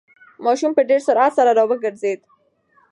ماشوم په ډېر سرعت سره راوگرځېد.